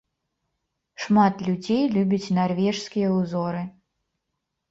Шмат людзей любіць нарвежскія ўзоры.